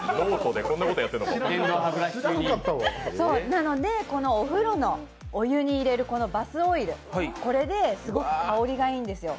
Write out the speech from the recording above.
なので、このお風呂のお湯に入れるバスオイルで、すごく香りがいいんですよ。